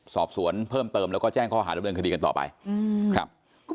สอบสวนเพิ่มเติมแล้วก็แจ้งข้อหาดำเนินคดีกันต่อไปครับ